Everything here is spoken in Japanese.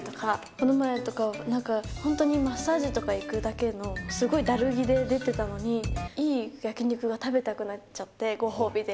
この前とかはなんか本当にマッサージに行くだけのすごいだる着で出てたのに、いい焼き肉が食べたくなっちゃって、ご褒美で。